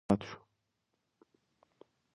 میرویس نیکه په کال یوولس سوه اوولس کې وفات شو.